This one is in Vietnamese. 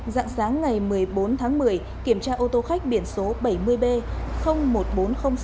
dạng sáng ngày một mươi bốn tháng một mươi kiểm tra ô tô khách biển số bảy mươi b một nghìn bốn trăm linh sáu